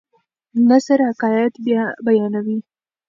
نثر حقایق بیانوي.